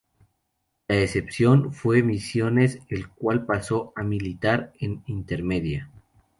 La excepción fue Misiones, el cual pasó a militar en Intermedia.